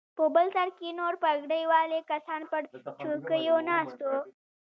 په بل سر کښې نور پګړۍ والا کسان پر چوکيو ناست وو.